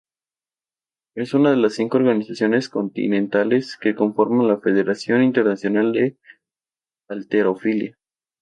Es una de las cinco organizaciones continentales que conforman la Federación Internacional de Halterofilia.